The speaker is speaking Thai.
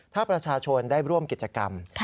ถ้าประชาชนได้ร่วมกิจกรรม